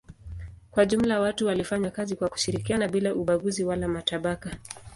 Kwa jumla watu walifanya kazi kwa kushirikiana bila ubaguzi wala matabaka.